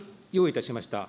いたしました。